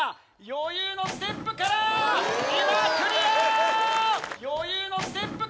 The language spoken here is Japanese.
余裕のステップから今クリア！